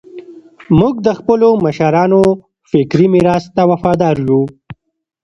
موږ د خپلو مشرانو فکري میراث ته وفادار یو.